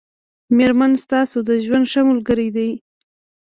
مېرمن ستاسو د ژوند ښه ملګری دی